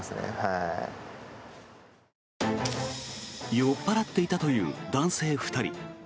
酔っぱらっていたという男性２人。